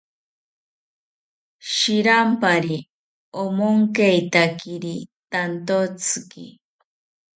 Shirampari omonkeitakiri tantotziki